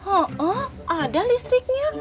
oh oh ada listriknya